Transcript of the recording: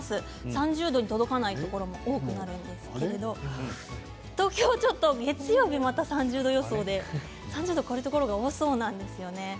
３０度に届かないところも多くなりますが東京は月曜日また３０度の予想で３０度を超えるところが多そうなんですね。